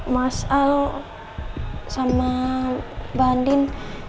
masalah sama bandin